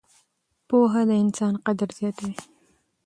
پوهه د انسان قدر زیاتوي.